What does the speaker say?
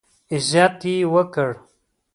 عزت یې وکړ.